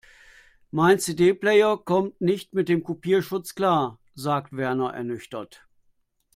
Mein CD-Player kommt nicht mit dem Kopierschutz klar, sagt Werner ernüchtert.